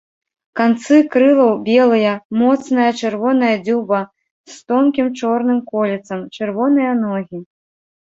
Канцы крылаў белыя, моцная чырвоная дзюба з тонкім чорным кольцам, чырвоныя ногі.